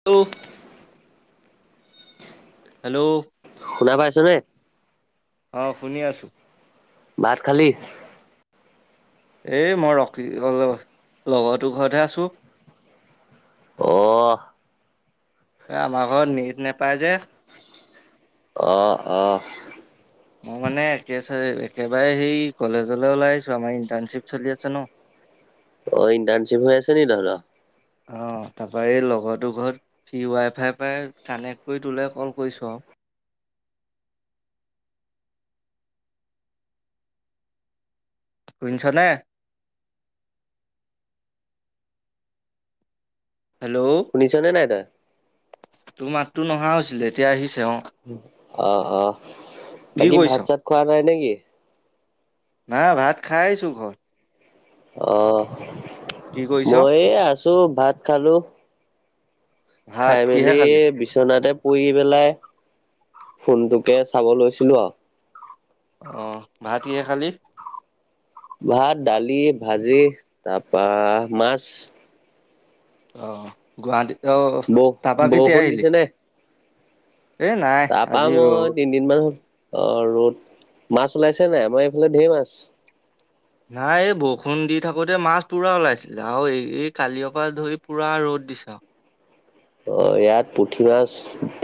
[unintelligible] Hello, ! শুনা পাইছ নে অ', শুনি আছোঁ। ভাত খালী এই মই ৰকি অল লগৰটো ঘৰতহে আছো। অ', আমাৰ ঘৰত নেট নেপায় যে অ'অ' মোৰ মানে একে একেবাৰেই কলেজলৈ ওলাই আহছো আমাৰ ইণ্টাৰ্ণশ্বিপ চলি আছে ন? অ ইণ্টাৰ্শ্বিপ হৈ আছেনিকিদাদা। - অ', তাৰপৰা এই লগৰটো ঘৰত ফি ৱাই ফাইৰ পৰাই কানেক্ট কৰি তোলোই কল কৰিছো আৰু, ছ নে হেল্লো', শুনিছনেে নাই তই তোৰ মাততো নহা হৈছিলে এতিয়া আহিছে অ, ্ অ', অ', কি বাকী কৰিছ? ভাত চাত খোৱা নাই নেকি আ ভাত খাইছো ঘৰত অ', কি কৰিছ? মই আছো ভাত খালো। ভাত খাই কিহে মেলি খালি? বিচনাতে কৰি পেলাই ফোনটোকে চাব লৈছিলোঁ আৰু, অভাতকিহে খালি। ভাত দালি ভাজি তাৰপা মাছ। অ গুৱাহাটীত অ বৌ তাপা কেতিয়া বৰষুণ আহিলি দিছে নে? এ নাই তাৰপা আজি ৰ মই তিনিদিন মান অ ৰ'দ মাছ ওলাইছে নাই আমাৰ এইফালে ধেৰ মাছ। নাই এই বৰষুণ দি থাকোতে মাছ পুৰা ওলাইছিলে আৰু এই এই কালিৰপ পৰা ধৰি পুৰা ৰ'দ দিছে আৰু, অ', ইয়াত পুঠি মাছ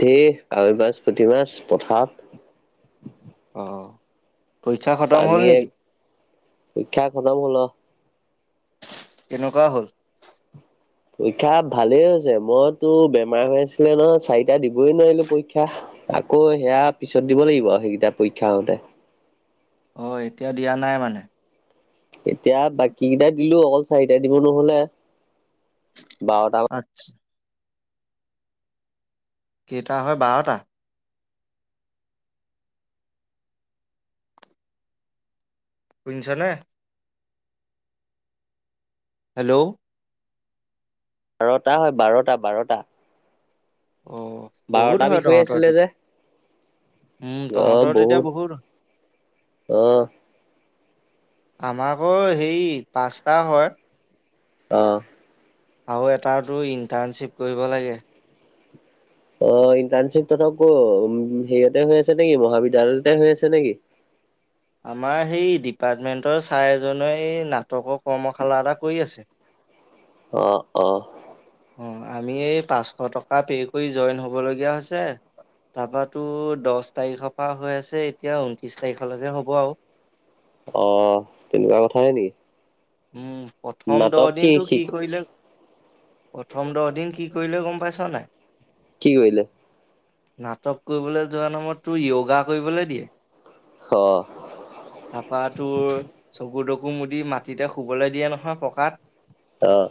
ধেৰ কাৱৈ মাছ পুঠি মাছ পথাৰত! অঁ! পানীয়ে, পৰীক্ষা খতম হ'ল অ'। কেনেকুৱা হ'ল? পৰীক্ষা ভালেই হৈছে। মই তোৰ বেমাৰ হৈ আছিলে নহয় চাৰিটা দিবই নোৱাৰিলোঁ পৰীক্ষা। আকৌ হেয়া পিছত দিব লাগিব সেইকেইটা পৰীক্ষা হওঁতে। অঁ, এতিয়া দিয়া নাই মানে? এতিয়া বাকী কেইটা দিলোঁ, অকল চাৰিটা দিব নহ'লে। বাৰটা [inaudible] কেইটা হয় বাৰটা? শুনিছনে? হেল্ল'? বাৰটা হয়, বাৰটা বাৰটা। অ', বহুত বাৰটা হয় বিষয় তহঁতৰ আছিলে যে তেতিয়া? উম, তহঁতৰ তেতিয়া বহুত অঁ। আমাৰ আকৌ হেই পাঁচটা হয়। অঁ। আৰু এটাৰতো ইণ্টাৰ্ণশ্বিপ কৰিব লাগে। অ', ইণ্টাৰ্ণশ্বিপ তহঁতৰ ক' উম, হেৰিয়াতে হৈ আছে নেকি মহাবিদ্যালয়তে হৈ আছে নেকি? আমাৰ সেই ডিপাৰ্টমেন্টৰ ছাৰ এজনে এই নাটকৰ কৰ্মশালা এটা কৰি আছে। অ', অ'। অঁ, আমি এই পাঁচশ টকা পে' কৰি জইন হ'বলগীয়া হৈছে। তাৰপা তোৰ দহ তাৰিখৰ পৰা হৈ আছে, এতিয়া ঊনত্ৰিছ তাৰিখলৈকে হ'ব আৰু। অ', তেনেকুৱা কথাহে নেকি? উম, প্ৰথম দহ নাটক দিনটো শি কি কৰিলে প্ৰথম দহদিন কি কৰিলে গ'ম পাইছ নাই? কি কৰিলে? নাটক কৰিবলৈ যোৱা নামত তোৰ য়োগা কৰিবলৈ দিয়ে। অ'। তাৰাপা তোৰ চকুৰ দকু মুদি মা তেতিয়া শুবলৈ দিয়ে নহয় পকাত। অঁ।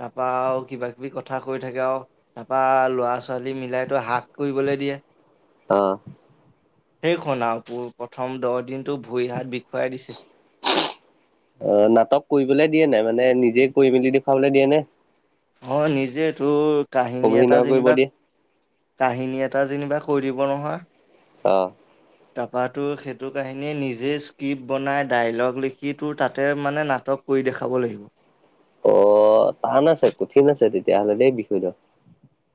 তাৰপা আৰু কিবা কিবি কথা কৈ থাকে আৰু। তাৰপা ল'ৰা ছোৱালী মিলাই তোৰ হাগ কৰিবলৈ দিয়ে। অ'। সেইখন আৰু। পোৰ প্ৰথম দহ দিনটো ভৰি হাত বিষুৱাই দিছে। অ', নাটক কৰিবলৈ দিয়ে নাই, মানে নিজে কৰি মেলি দেখুৱাবলৈ দিয়ে নে? অ', নিজে তোৰ কাহিনী এটা অভিনয় কৰিব যেনিবা দিয়ে? কাহিনী এটা যেনিবা কৈ দিব নহয়। অঁ। তাৰপা তোৰ সেইটো কাহিনীয়ে নিজে স্ক্ৰিপ্ট বনাই ডাইলগ লিখি তোৰ তাতে মানে নাটক কৰি দেখাব লাগিব। অ', টান আছে কঠিন আছে তেতিয়াহ'লে দেই বিষয়দাল।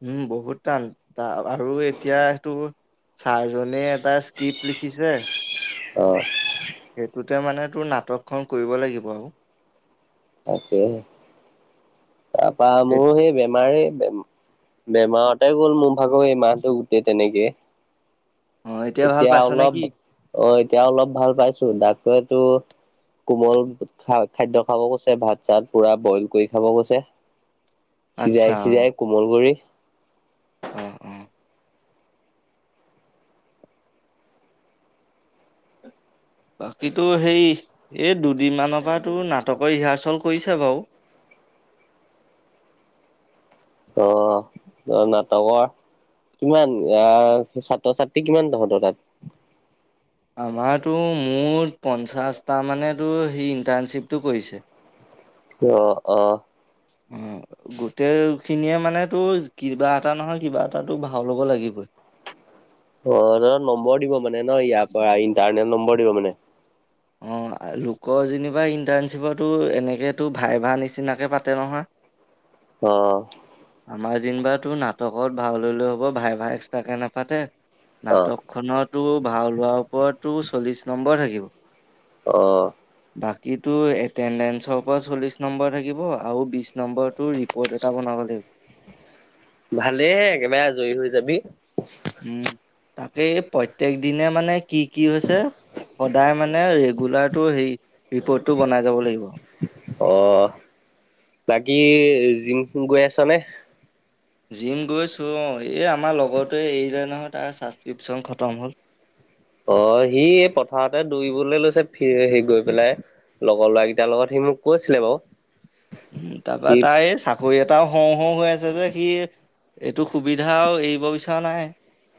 উম, বহুত টান। টা আৰু এতিয়া তোৰ ছাৰজনে এটা স্ক্ৰিপ্ট লিখিছে অ'। সেইটোতে মানে তোৰ নাটকখন কৰিব লাগিব আৰু! তাকেহে! তাৰপা এ মোৰ সেই বেমাৰেই বেমাৰ তাতেই গ'ল মোৰ ভাগৰ এই মাহটো গোটেই তেনেকে অ ভাল এতিয়া পাইছ নে অলপ কি অ' এতিয়া অলপ ভাল পাইছো ডাক্তৰে তোৰ কোমল খা খাদ্য খাব কৈছে ভাত। ছাত পুৰা বইল কৰি খাব গৈছে আচ্ছা সিজাই অ সিজাই কোমল কৰি অ' অ' বাকীতো সেই এই দুদিনমানৰ পৰা তোৰ নাটকৰ ৰিহাৰ্চল কৰিছে বাৰু। অ', অ', নাটকৰ কিমান আহ, ছাত্ৰ- ছাত্ৰী কিমান তহঁতৰ তাত? আমাৰতোৰ মুঠ পঞ্চাছটা মানে টোৰ সেই ইণ্টাৰ্ণশ্বিপটো কৰিছে। অ', অ', অ', গোটেই খিনিয়ে মানে তো কিবা এটা নহয় কিবা এটাটো ভাও ল'ব লাগিবই। অ', [unintelligible] নম্বৰ দিব মানে ন' ইয়াৰ পৰা ইণ্টাৰনেট নম্বৰ দিব মানে? অ' লোকৰ যেনিবা ইণ্টাৰ্ণশ্বিপৰ তোৰ এনেকে তোৰ ভাইভা নিচিনাকে পাতে নহয়। অ', আমাৰ যেনিবা তোৰ নাটকত ভাও ললেও হব ভাইভা এক্সট্ৰাকে নেপাতে অ', নাটক খনত তোৰ ভাও লোৱাৰ ওপৰত তোৰ চল্লিশ নম্বৰ থাকিব। অ', বাকি তোৰ এটেনডেঞ্চৰ ওপৰত চলিছ নম্বৰ থাকিব আৰু বিশ নম্বৰটো ৰিপ'ৰ্ট এটা বনাব লাগিব। ভালেইহে একেবাৰে আজৰি হৈ যাবি। উম, তাকেই প্ৰত্যেক দিনে মানে কি কি হৈছে সদায় মানে ৰেগুলাৰ টোৰ হেৰী ৰিপৰ্টটো বনাই যাব লাগিব। অ', বাকী জিম-ছিম গৈ আছ নে? জিম গৈছোঁ অ' এই আমাৰ লগৰটোৱে এৰিলে নহয় তাৰ ছাবস্ক্ৰিপশ্যন খতম হ'ল। অ' সি এই পথাৰতে দৌৰিবলৈ লৈছে ফি হে গৈ পেলাই। লগৰ ল'ৰাকেইটাৰ লগত সি মোক কৈছিলে বাৰু। উম তাৰ পা সি তাৰ এই চা চাকৰি এটাও হওঁ হওঁ হৈ আছে যে সি এইটো সুবিধা আৰু এৰিব বিচৰা নাই।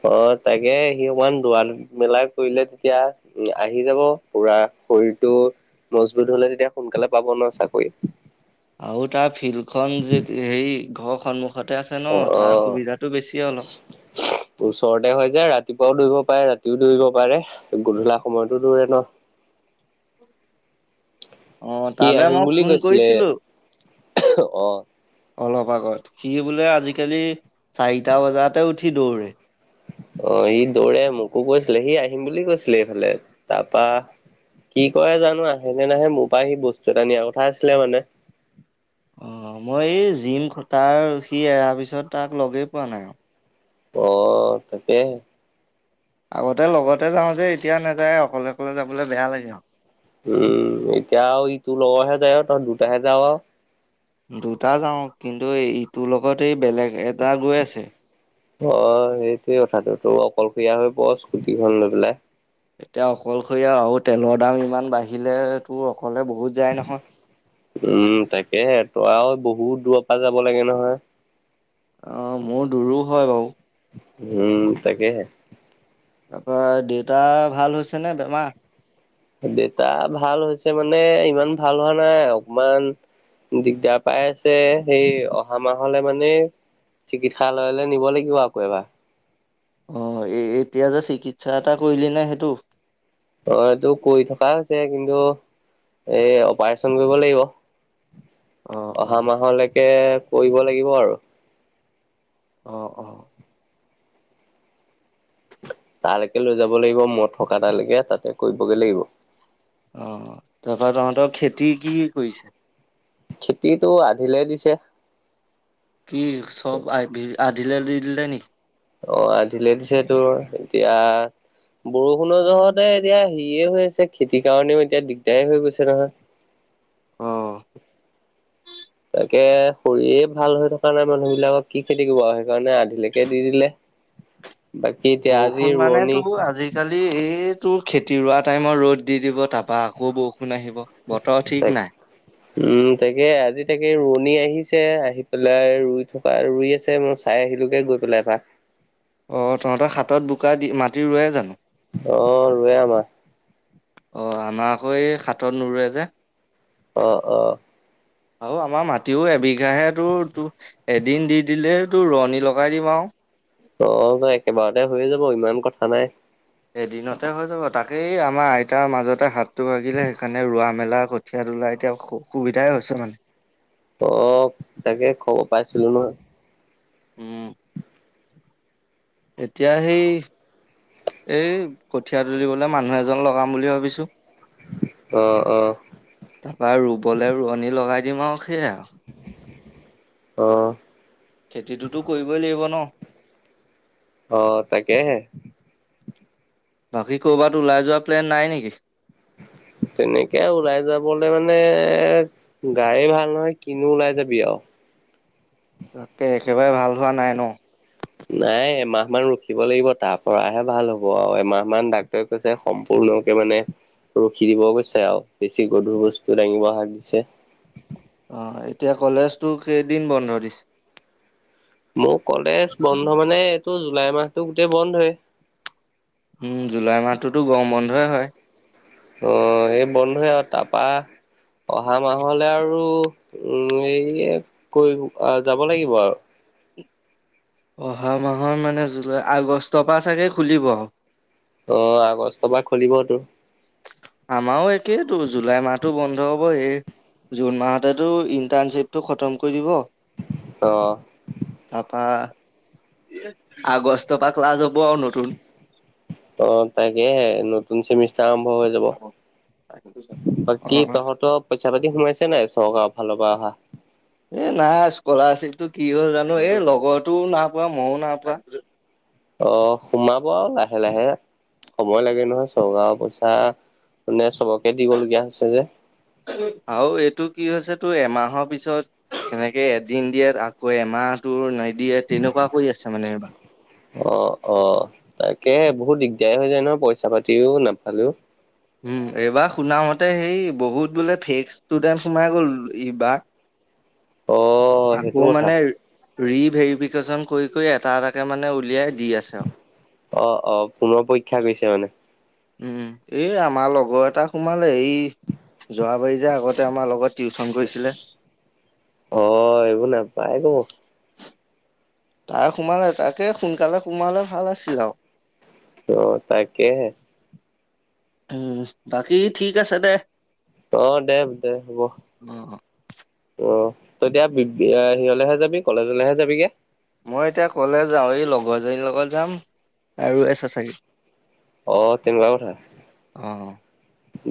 অ', তাকে সি অকমান দ'ৰা মেলা কৰিলে তেতিয়া উম, আহি যাব পুৰা শৰীৰটো মজবুত হ'লে তেতিয়া সোনকালে পাব ন' চাকৰি। আৰু তাৰ ফিল্ড খন যেত হেৰি ঘৰৰ সন্মুখ সন্মুখতে আছে অ' ন' অ তাৰ সুবিধাটো বেছিয়ে অলপ। ওচৰতে হয় যে, ৰাতিপুৱাও দৌৰিব পাৰে ৰাতিও দৌৰিব পাৰে গধূলা সময়তো দৌৰে ন'। অ', সি তালে আহিম মই বুলি ফোন কৈছিলে কৰিছিলো অ' [inaudible] অলপ আগত সি বোলে আজিকালি চাৰিটা বজাতে উঠি দৌৰে। অ', সি দৌৰে মোকো কৈছিলে সি আহিম বুলি কৈছিলে এইফালে তাৰপা কি কৰে জানো আহেনে নাহে মোৰ পৰাা সি বস্তু এটা নিয়াৰ কথা আছিলে মানে। অ', মই এই জিম খটাৰ সি এৰাৰ পিছত তাক লগেই পোৱা নাই আৰু। অ', তাকেহে। আগতে লগতে যাওঁ যে এতিয়া নাযায় অকলে অকলে যাবলৈ বেয়া লাগে আৰু। উম, এতিয়া আৰু ই তোৰ লগৰহে যায় আৰু তহঁত দুটাহে যাৱ আৰু। দুটা যাও কিন্তু ইটোৰ লগত এই বেলেগ এটা গৈ আছে। অ', সেইটোয়ে কথাটো তো তইও অকলশৰীয়া হৈ পৰ স্কুটিখন লৈ পেলাই। এতিয়া অকলশৰীয়া আৰু তেলৰ দাম ইমান বাঢ়িলে তোৰ অকলে বহুত যায় নহয়। উম, তাকেহে তই আৰু বহুত দূৰৰ পৰা যাব লাগে নহয়। অ', মোৰ দূৰো হয় বাৰু। উম, তাকেহে। তাৰপা দেউতাৰ ভাল হৈছে নে বেমাৰ? দেউতা ভাল হৈছে মানে ইমান ভাল হোৱা নাই অকমান দিগদাৰ পাই আছে সেই অহা মাহলে মানে চিকিৎসালয়লৈ নিব লাগিব আকৌ এবাৰ। অ', এতিয়া যে চিকিৎসা এটা কৰিলি নে সেইটো? অ', এইটো কৰি থকা হৈছে কিন্তু এ অপাৰেচন কৰিব লাগিব। অ' অহা অ' মাহলৈকে কৰিব লাগিব আৰু। অ', অ'। তালৈকে লৈ যাব লাগিব মই থকা তালৈকে তাতে কৰিবগৈ লাগিব। অ', তাৰপৰা তহঁতৰ খেতি কি কৰিছে? খেতিটো আধিলে দিছে। কি চব আধিলে দি দিলে নেকি? অ' আধিলে দিছে তোৰ, এতিয়া বৰষুণৰ জহতে এতিয়া হেৰিয়ে হৈ আছে, খেতিৰ কাৰণেও এতিয়া দিগদাৰে হৈ গৈছে নহয়। অ'। তাকে শৰীৰে ভাল হৈ থকা নাই মানুহ বিলাকক কি খেতি কৰিব আৰু সেইকাৰণে আধিলৈকে দি দিলে। [inaudible] বাকী এতিয়া আজি ৰোৱনি কালি এইটোৰ খেতি ৰোৱা টাইমত ৰ'দ দি দিব তাৰপা আকৌ বৰষুণ আহিব। বতৰ ঠিক তাক নাই। উম, তাকে আজি তাকে ৰোৱনী আহিছে আহি পেলাই ৰুই থকা ৰুই আছে। চাই আহিলোঁগৈ গৈ পেলাই এপাক। অ', তহঁতৰ সাতত বোকা দি মাটি ৰুৱে জানো? অ', ৰুৱে আমাৰ। অ', আমাৰ আকৌ এই সাতত নোৰুৱে যে। অ', অ'। আৰু আমাৰ মাটিও এবিঘাহে তো-তোৰ এদিন দি দিলে তোৰ ৰোৱনী লগাই দিম আৰু। অ', একেবাৰতে হৈয়ে যাব ইমান কথা নাই। এদিনতে হৈ যাব তাকেই, আমাৰ আইতাৰ মাজতে হাতটো ভাগিলে সেইকাৰণে ৰোৱা মেলা কৰি খেত ওলাই তেঁও সু-সুবিধাই হৈছে মানে। অ', তাকে খবৰ পাইছিলো নহয়। উম। এতিয়া সেই এই কঠীয়া তুলিবলৈ মানুহ এজন লগাম বুলি ভাবিছো। অ', অ'। তাৰপৰা ৰুবলৈ ৰোৱনী লগাই দিম আৰু সেইয়ে আৰু। অ'। খেতিটোতো কৰিবই লাগিব ন। অ', তাকেহে। বাকী ক'ৰবাত ওলাই যোৱা প্লেন নাই নেকি? তেনেকে ওলাই যাবলে মানে এ গায়ে ভাল নহয় কিনো ওলাই যাবি আৰু তাকে একেবাৰে ভাল হোৱা নাই ন। নাই এমাহ মান ৰখিব লাগিব তাৰ পৰাহে ভাল হ'ব আৰু এমাহ মান ডাক্তৰে। কৈছে সম্পূৰ্ণকে মানে। ৰখি দিব গৈছে আৰু বেছি গধুৰ বস্তু দাঙি শাক দিছে। অ এতিয়া কলেজতো কেইদিন বন্ধ দিছে। মোৰ কলেজ বন্ধ মানে এইটো জুলাই মাহতটো গোটেই বন্ধয়ে। উম জুলাই মাহটোতো গৰম বন্ধই হয়। অ সেই বন্ধে আৰু তাৰপা, অহা মাহলে আৰু উম হেৰিয়ে কৰিব যাব লাগিব আৰু অহা মাহৰ মানে জুলাই আগষ্টৰ পৰা চাগে খুলিব। অ আগষ্টৰ পৰা খুলিবতো। আমাৰো একেইটো জুলাই মাহতো বন্ধ হব সে, জুন মাহতেতো ইণ্টাৰ্ণশ্বিপটো খতম কৰি দিব। অ, তাৰপা আগষ্টৰ পৰা ক্লাছ হ'ব আৰু নতুন। অ তাকেহে, নতুন চেমিষ্টাৰ আৰম্ভ হৈ যাব বাকি অ' তহঁতক। পইচা পাতি সোমাইছে নাই চৰকাৰৰ ফালৰ পৰা অহা। এ নাই স্কলাৰশ্বিপটো কি হ'ল জানো এই লগৰটোও নাই পোৱা মইও নাই পোৱা। অ সোমাব আৰু লাহে লাহে। সময় লাগে নহয় চৰকাৰৰ পইচা মানে চবকে দিবলগীয়া হৈছে যে। আৰু এইটো কি হৈছে তোৰ এমাহৰ পিছত। সেনেকে এদিন দিয়ে আকৌ এমাহটোৰ নাই দিয়ে তেনেকুৱা কৰি আছে মানে এইবাৰ। অ অ তাকে বহুত দিগদাৰ হৈ যায় নহ পইচা পাতিও নাপালেও। উম এইবাৰ শুনামতে হেই বহুত বোলে ফেক ষ্টুডেণ্ড সোমাই গ'ল এইবাৰ। অ সেইটো আকৌ কথা। মানে ৰিভেৰিফিকেশ্যন কৰি কৰি এটা এটাকে মানে উলিয়াই দি আছে আৰু অ অ পুনৰ পৰীক্ষা কৰিছে মানে। উম এই আমাৰ লগৰ এটা সোমালে এই, যোৱাবাৰি যে আগতে আমাৰ লগত টিউচন কৰিছিলে। অ এইবোৰ নেপাই কব। তাই সোমালে তাকে সোনকালে সোমালে ভাল আছিল আৰু অ তাকে। উম বাকী ঠিক আছে দে। অ দে দে হ'ব। অ', অ ত এতিয়া সেয়ালৈহে যাবি কলেজলৈহে যাবিগে। মই এতিয়া কলে যাও এই লগৰজনীৰ লগত যাম আৰু [unintelligible] অ তেনেকুৱা কথা অ',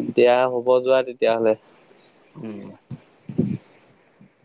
এতিয়া হব যোৱা তেতিয়াহলে। উম